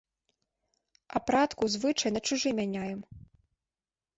Апратку, звычай на чужы мяняем.